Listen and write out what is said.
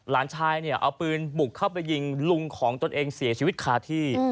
หลานชายเนี่ยเอาปืนบุกเข้าไปยิงลุงของตนเองเสียชีวิตคาที่